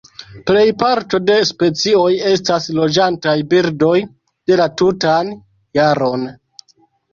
Plej parto de specioj estas loĝantaj birdoj la tutan jaron.